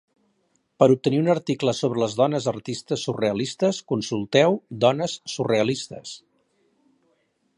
Per obtenir un article sobre les dones artistes surrealistes, consulteu dones surrealistes.